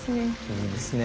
いいですね。